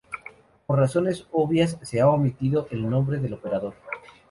Por razones obvias, se ha omitido el nombre del operador.